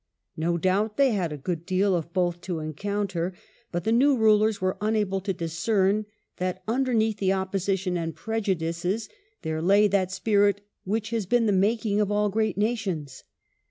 No doubt they had a good deal of both to encounter; but the new rulers were unable to discern that, underneath the opposition and prejudices, there lay that spirit which has been the making of all great nations.